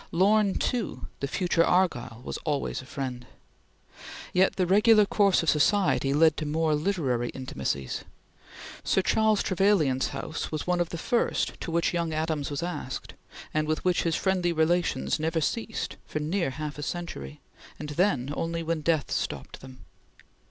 Lorne, too, the future Argyll, was always a friend. Yet the regular course of society led to more literary intimacies. Sir Charles Trevelyan's house was one of the first to which young Adams was asked, and with which his friendly relations never ceased for near half a century, and then only when death stopped them.